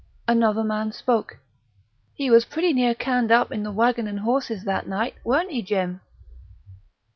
Another man spoke. "He was pretty near canned up in the Waggon and Horses that night, weren't he, Jim?"